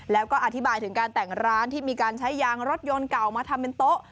แล้วก็อธิบายถึงการแต่งร้านที่มีการใช้ยางรถยนต์เก่ามาทำเป็นโต๊ะ